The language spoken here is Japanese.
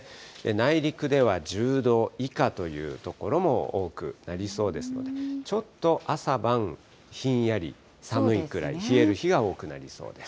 内陸では１０度以下という所も多くなりそうですので、ちょっと朝晩、ひんやり、寒いくらい冷える日が多くなりそうです。